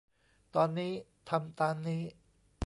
ตอนนี้ทำตามนี้